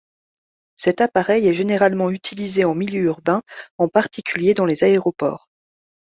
Cet appareil est généralement utilisé en milieu urbain, en particulier dans les aéroports.